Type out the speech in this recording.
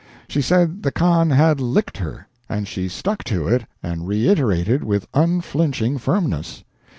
She said the Khan had licked her, and she stuck to it and reiterated with unflinching firmness.